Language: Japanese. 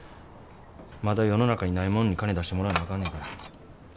まだ世の中にないもんに金出してもらわなあかんねんから。